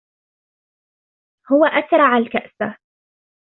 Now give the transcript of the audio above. هو أترعَ الكأسَ.